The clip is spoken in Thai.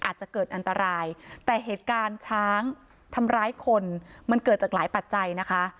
อาจจะเกิดอันตรายแต่เหตุการณ์ช้างทำร้ายคนมันเกิดจากหลายปัจจัยนะคะ